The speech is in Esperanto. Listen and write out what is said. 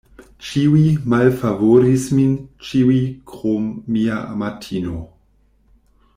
Ĉiuj malfavoris min, ĉiuj, krom mia amatino.